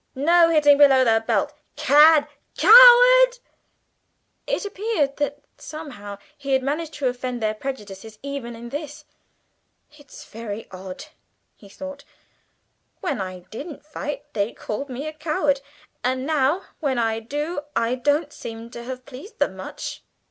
"No hitting below the belt!" "Cad coward!" It appeared that, somehow, he had managed to offend their prejudices even in this. "It's very odd," he thought; "when I didn't fight they called me a coward, and now, when I do, I don't seem to have pleased them much.